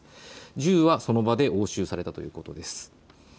銃は、その場で押収されたということです。